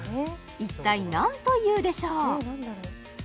一体何というでしょう？